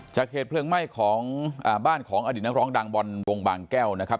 เหตุเพลิงไหม้ของบ้านของอดีตนักร้องดังบอลวงบางแก้วนะครับ